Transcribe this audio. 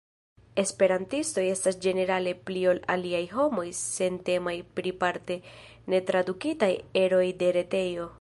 Esperantistoj estas ĝenerale pli ol aliaj homoj sentemaj pri parte netradukitaj eroj de retejo.